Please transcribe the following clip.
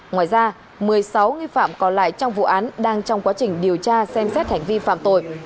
ngoài ra một mươi sáu nghi phạm còn lại trong vụ án đang trong quá trình điều tra xem xét hành vi phạm tội